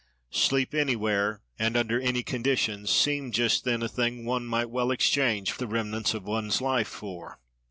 —Sleep anywhere, and under any conditions, seemed just then a thing one might well exchange the remnants of one's life for.